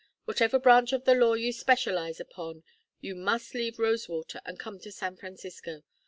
Whatever branch of the law you specialize upon, you must leave Rosewater and come to San Francisco.